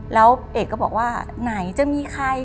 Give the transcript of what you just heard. แล้วเอกก็บอกว่าไหนจะมีใคร